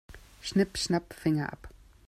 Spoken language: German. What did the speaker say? Schnipp-schnapp, Finger ab.